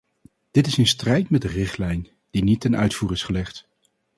Dit is in strijd met de richtlijn, die niet ten uitvoer is gelegd.